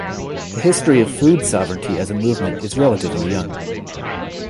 The history of food sovereignty as a movement is relatively young.